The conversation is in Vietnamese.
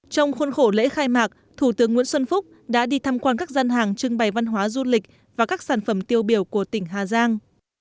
trong khuôn khổ lễ khai mạc thủ tướng nguyễn xuân phúc đã đi thăm quan các gian hàng trưng bày văn hóa du lịch và các sản phẩm tiêu biểu của tỉnh hà giang